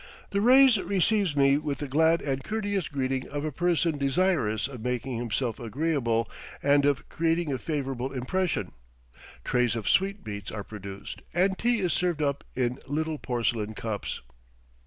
The Reis receives me with the glad and courteous greeting of a person desirous of making himself agreeable and of creating a favorable impression; trays of sweetmeats are produced, and tea is served up in little porcelain cups.